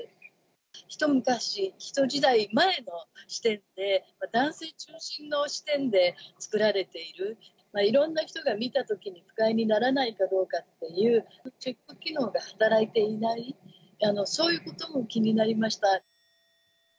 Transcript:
一昔、一時代前の視点で、男性中心の視点で作られている、いろんな人が見たときに不快にならないかどうかっていうチェック機能が働いていない、そういうことも気になりました。